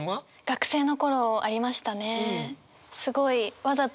学生の頃ありましたね。